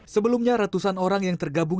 sebelumnya ratusan orang yang tergabung